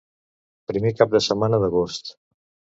Primer cap de setmana d'agost.